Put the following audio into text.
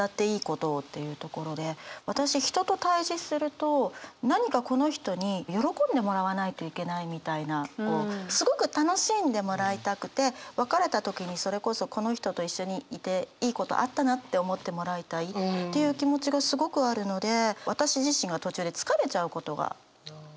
私人と対じすると何かこの人に喜んでもらわないといけないみたいなこうすごく楽しんでもらいたくて別れた時にそれこそこの人と一緒にいていいことあったなって思ってもらいたいっていう気持ちがすごくあるので私自身が途中で疲れちゃうことがあるんですよね。